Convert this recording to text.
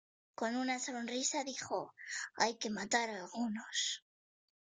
Con una sonrisa dijo "Hay que matar a algunos".